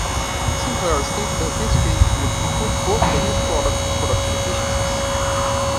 Sinclair stated that these changes would "improve both the news product and production efficiencies".